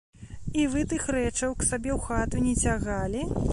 І вы тых рэчаў к сабе ў хату не цягалі?